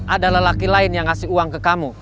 ada lelaki lain yang ngasih uang ke kamu